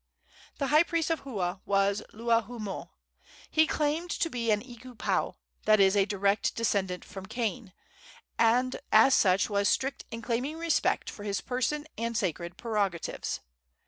The high priest of Hua was Luahoomoe. He claimed to be an iku pau that is, a direct descendant from Kane and as such was strict in claiming respect for his person and sacred prerogatives.